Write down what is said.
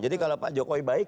jadi kalau pak jokowi baik